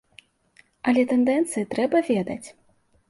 Але тэндэнцыі трэба ведаць.